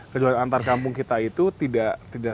kecuali antar kampung kita itu tidak